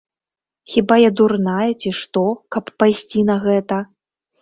Хіба я дурная, ці што, каб пайсці на гэта.